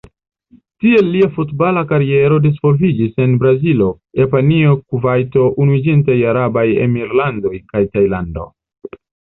Tiel lia futbala kariero disvolviĝis en Brazilo, Japanio, Kuvajto, Unuiĝintaj Arabaj Emirlandoj kaj Tajlando.